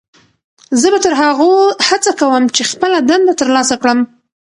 زه به تر هغو هڅه کوم چې خپله دنده ترلاسه کړم.